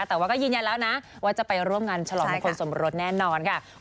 แต่ว่าก็ยืนยันแล้วนะว่าจะไปร่วมงานฉลองมงคลสมรสแน่นอนค่ะ